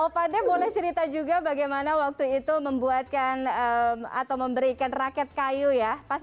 opadah boleh cerita juga bagaimana waktu itu membuatkan atau memberikan raket kayu ya pas